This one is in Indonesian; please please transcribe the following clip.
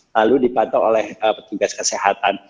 lalu dipantau oleh petugas kesehatan